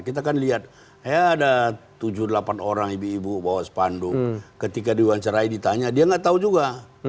kita kan lihat ada tujuh delapan orang ibu ibu bawa sepanduk ketika diwawancarai ditanya dia nggak tahu juga